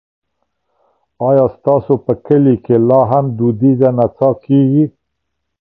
ایا ستاسو په کلي کې لا هم دودیزه نڅا کیږي؟